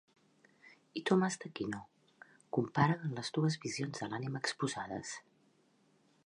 I Tomàs d'Aquino? Compara les dues visions de l'ànima exposades.